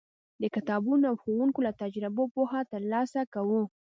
د کتابونو او ښوونکو له تجربو پوهه ترلاسه کوو.